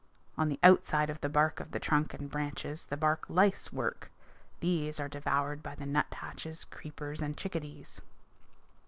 On the outside of the bark of the trunk and branches the bark lice work. These are devoured by the nuthatches, creepers, and chickadees.